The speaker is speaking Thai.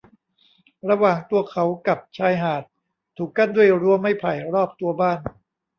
ระหว่างตัวเขากับชายหาดถูกกั้นด้วยรั้วไม้ไผ่รอบตัวบ้าน